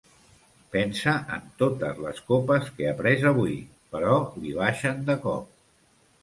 Pensa en totes les copes que ha pres avui, però li baixen de cop.